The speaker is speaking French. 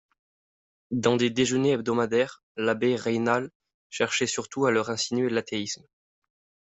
Dans des déjeuners hebdomadaires, l’abbé Raynal cherchait surtout à leur insinuer l’athéisme.